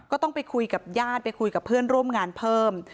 ก็ต้องไปคุยกับญาติไปคุยกับเพื่อนร่วมงานเพิ่ม